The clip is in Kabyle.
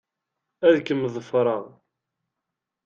Ad kem-ḍefṛeɣ.